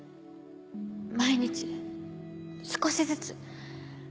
毎日少しずつ。